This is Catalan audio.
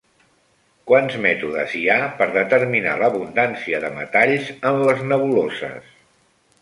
Quants mètodes hi ha per determinar l'abundància de metalls en les nebuloses?